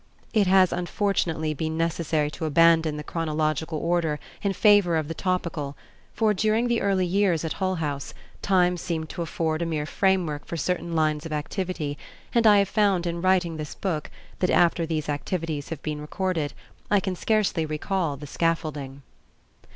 It has unfortunately been necessary to abandon [Page ix] the chronological order in favor of the topical, for during the early years at Hull House, time seemed to afford a mere framework for certain lines of activity and I have found in writing this book, that after these activities have been recorded, I can scarcely recall the scaffolding.